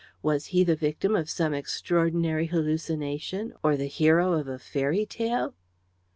Was he the victim of some extraordinary hallucination, or the hero of a fairy tale?